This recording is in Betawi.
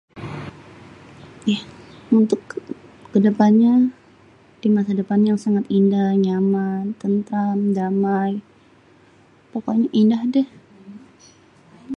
Untuk ke depannya di masa depan yang sangat indah, nyaman, tentram, damai pokoknya indah dêh.